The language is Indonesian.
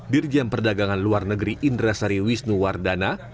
dirjen perdagangan luar negeri indra sari wisnuwardana